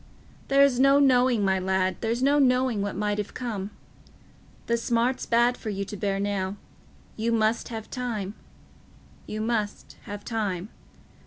"There's no knowing, my lad—there's no knowing what might have come. The smart's bad for you to bear now: you must have time—you must have time.